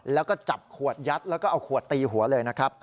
แล้วก็จับขวดยัดแล้วก็เอาขวดตีหัวเลยนะครับ